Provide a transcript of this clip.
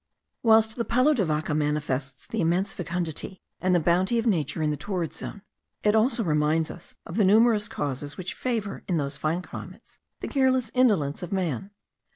Whilst the palo de vaca manifests the immense fecundity and the bounty of nature in the torrid zone, it also reminds us of the numerous causes which favour in those fine climates the careless indolence of man.